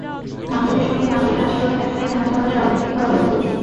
মানুষের সঙ্গে মানুষের আচরণে দেখা দেয় নানা ধরনের অপ্রীতিকর অসংগতি।